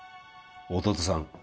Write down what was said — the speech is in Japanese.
弟さん